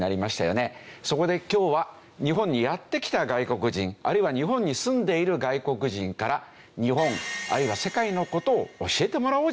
そこで今日は日本にやって来た外国人あるいは日本に住んでいる外国人から日本あるいは世界の事を教えてもらおうじゃないかという企画です。